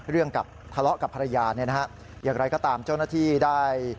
เรื่องทะเลาะกับภรรยาอย่างไรก็ตามเจ้าหน้าที่ได้